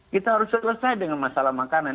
kita harus selesai dengan masalah makanan